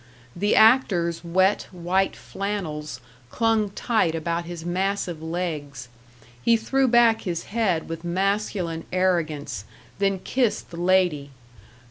The actor's wet, white flannels clung tight about his massive legs; he threw back his head with masculine arrogance, then kissed the lady.